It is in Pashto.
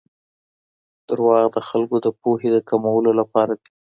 دروغ د خلګو د پوهي د کمولو لپاره دي.